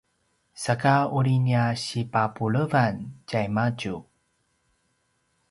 saka uri nia sipapulevan tjaimadju